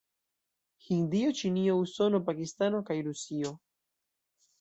Hindio, Ĉinio, Usono, Pakistano kaj Rusio.